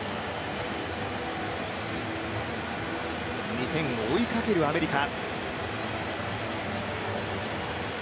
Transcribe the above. ２点を追いかけるアメリカ。